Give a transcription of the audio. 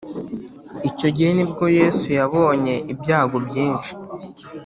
Icyo gihe nibwo yezu yabonye ibyago byinshi